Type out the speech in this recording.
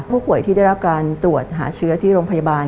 ผู้ป่วยที่ได้รับการตรวจหาเชื้อที่โรงพยาบาล